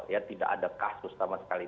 ya tidak ada kasus sama sekali